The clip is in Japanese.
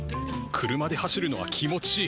車で走るのは気持ちいい。